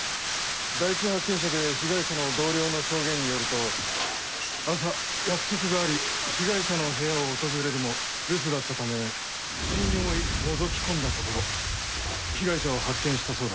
第一発見者で被害者の同僚の証言によると朝約束があり被害者の部屋を訪れるも留守だったため不審に思いのぞき込んだところ被害者を発見したそうだ。